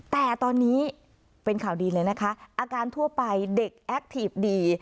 แต่ตอนนี้เป็นข่าวดีเลยนะคะอาการทั่วไปเด็กแอคทีฟดี